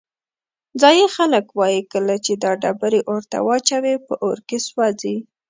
ځایی خلک وایي کله چې دا ډبرې اور ته واچوې په اور کې سوځي.